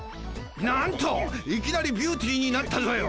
なんといきなりビューティーになったぞよ！